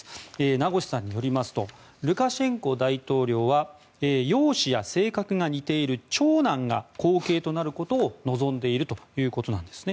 名越さんによりますとルカシェンコ大統領は容姿や性格が似ている長男が後継となることを望んでいるということです。